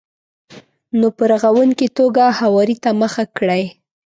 نو په رغونکې توګه هواري ته مخه کړئ.